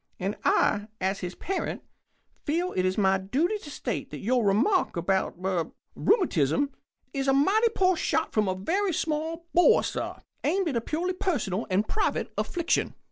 And I, as his parent, feel it my duty to state that your remark about er rheumatism is a mighty poor shot from a very small bore, sir, aimed at a purely personal and private affliction."